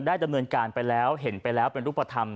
ดำเนินการไปแล้วเห็นไปแล้วเป็นรูปธรรม